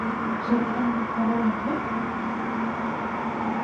Червонный корольым лук!